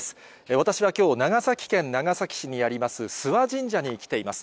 私はきょう、長崎県長崎市にあります諏訪神社に来ています。